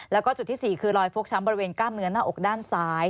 แล้วก็จุดที่๔คือรอยฟกช้ำบริเวณกล้ามเนื้อหน้าอกด้านซ้าย